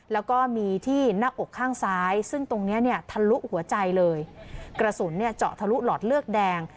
แล้วก็มีที่หน้าอกข้างซ้ายซึ่งตรงเนี้ยเนี่ยทะลุหัวใจเลยกระสุนเนี่ยเจาะทะลุหลอดเลือดแดง